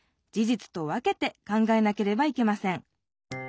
じつと分けて考えなければいけません。